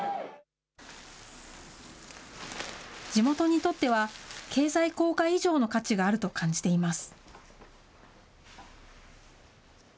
地元にとっては、経済効果以上の価値があると感じています。